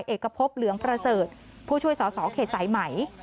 เอกพบเหลืองประเสริฐผู้ช่วยสอสอเขตสายไหม